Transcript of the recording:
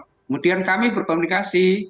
kemudian kami berkomunikasi